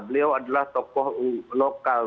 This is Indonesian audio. beliau adalah tokoh lokal